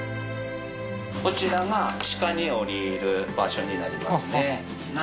こちらが地下に下りる場所になりますね。